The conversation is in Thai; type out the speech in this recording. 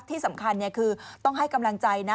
ที่สำคัญคือต้องให้กำลังใจนะ